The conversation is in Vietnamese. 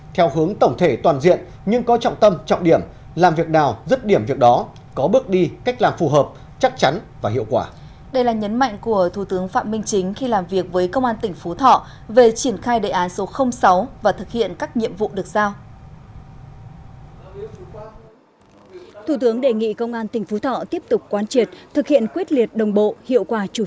theo hướng tổng thể toàn diện nhưng có trọng tâm trọng điểm làm việc nào rứt điểm việc đó có bước đi cách làm phù hợp chắc chắn và hiệu quả